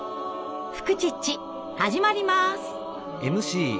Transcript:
「フクチッチ」始まります。